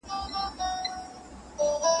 شکر ناروغي د انسولین تولید کموي.